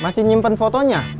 masih nyimpen fotonya